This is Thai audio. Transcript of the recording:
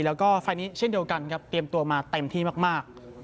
แล้วก็ไฟล์นี้เช่นเดียวกันครับเตรียมตัวมาเต็มที่มาก